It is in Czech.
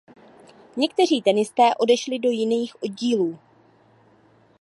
Někteří tenisté odešli do jiných oddílů.